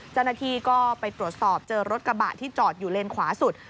เจ้าหน้าที่ก็ไปตรวจสอบเจอรถกระบะที่จอดอยู่เลนขวาสุด